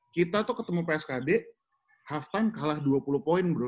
kita tuh ketemu pskd haftame kalah dua puluh poin bro